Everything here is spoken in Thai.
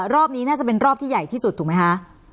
รอบนี้น่าจะเป็นรอบที่ใหญ่ที่สุดถูกไหมคะ